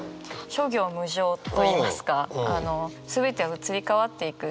諸行無常といいますか全ては移り変わっていく。